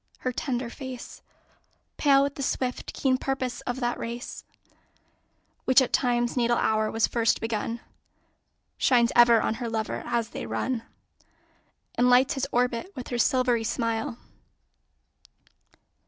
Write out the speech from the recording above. Her tender face, Pale with the swift, keen purpose of that race Which at Time's natal hour was first begun, Shines ever on her lover as they run And lights his orbit with her silvery smile.